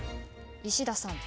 石田さん。